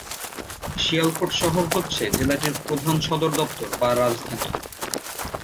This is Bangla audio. শিয়ালকোট শহর হচ্ছে জেলাটির প্রধান সদর দপ্তর বা রাজধানী।